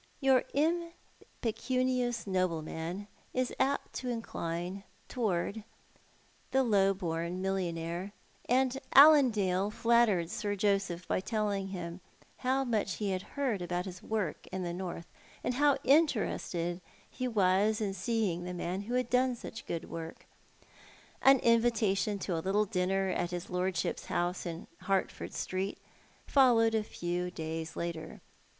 Your impecunious nobleman is apt to incline towards the low born millionaire, and Allandale flattered Sir Joseph by telling him how much he had lieard about his work in the North, and how interested he was in seeing the man wlio had done such good wm k. An invitation to a little dinner at In's lordship's house in Hertford Street followed a few days later.